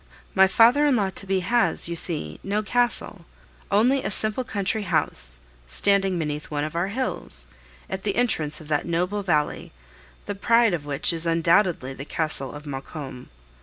My father in law to be has, you see, no castle, only a simple country house, standing beneath one of our hills, at the entrance of that noble valley, the pride of which is undoubtedly the Castle of Maucombe.